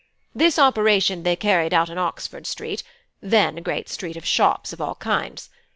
This operation they carried out in Oxford Street, then a great street of shops of all kinds.